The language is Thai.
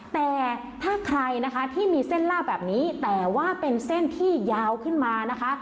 แต่ถ้าใครนะคะที่มีเส้นลาบแบบนี้แต่ว่าเป็นเส้นที่ยาวขึ้นมานะคะ